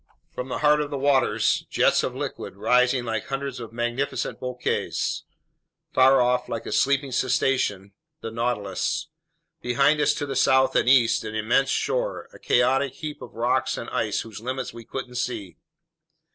From the heart of the waters: jets of liquid rising like hundreds of magnificent bouquets. Far off, like a sleeping cetacean: the Nautilus. Behind us to the south and east: an immense shore, a chaotic heap of rocks and ice whose limits we couldn't see.